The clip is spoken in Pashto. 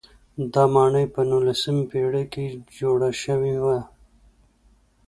دا ماڼۍ په نولسمې پېړۍ کې جوړه شوې وه.